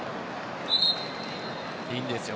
いいんですよ